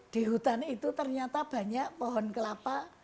di hutan itu ternyata banyak pohon kelapa